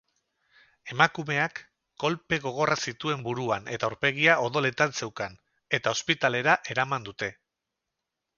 Emakumeak kolpe gogorrak zituen buruan eta aurpegia odoletan zeukan eta ospitalera eraman dute.